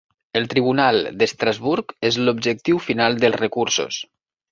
El Tribunal d'Estrasburg és l'objectiu final dels recursos